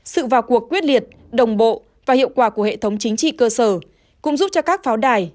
sự vào cuộc quyết liệt đồng bộ và hiệu quả của hệ thống chính trị cơ sở cũng giúp cho các pháo đài